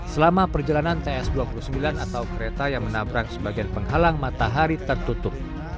selama perjalanan ts dua puluh sembilan atau kereta yang menabrak sebagian penghalang matahari tertutup